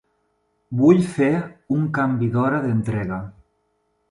Vull fer un canvi d'hora d'entrega.